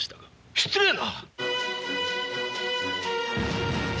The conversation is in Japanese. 失礼な！